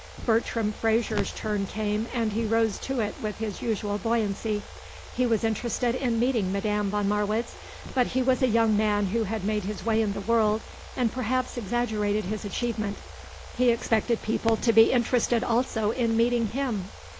Bertram Fraser's turn came and he rose to it with his usual buoyancy. He was interested in meeting Madame von Marwitz; but he was a young man who had made his way in the world and perhaps exaggerated his achievement. He expected people to be interested also in meeting him.